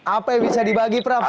apa yang bisa dibagi prof